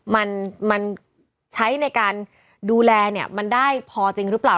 มันมันใช้ในการดูแลเนี่ยมันได้พอจริงหรือเปล่า